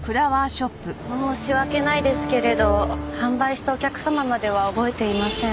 申し訳ないですけれど販売したお客様までは覚えていません。